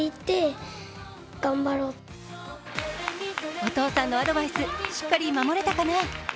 お父さんのアドバイスしっかり守れたかな？